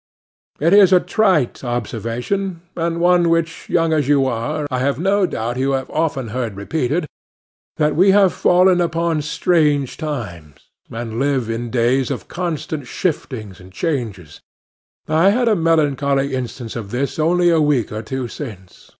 It is a trite observation, and one which, young as you are, I have no doubt you have often heard repeated, that we have fallen upon strange times, and live in days of constant shiftings and changes. I had a melancholy instance of this only a week or two since.